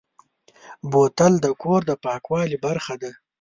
بوتل د کور د پاکوالي برخه ده.